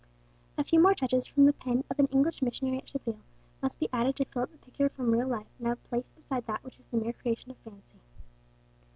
A few more touches from the pen of an English missionary at Seville must be added to fill up the picture from real life now placed beside that which is the mere creation of fancy.